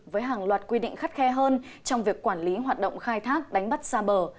với hàng loạt quy định khắt khe hơn trong việc quản lý hoạt động khai thác đánh bắt xa bờ